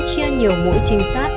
chia nhiều mũi trinh sát